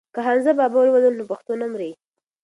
که حمزه بابا ولولو نو پښتو نه مري.